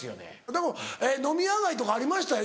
でも飲み屋街とかありましたよ